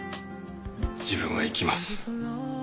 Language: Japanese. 自分は行きます。